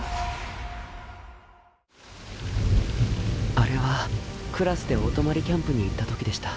あれはクラスでお泊まりキャンプに行った時でした。